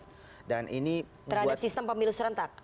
terhadap sistem pemilu serentak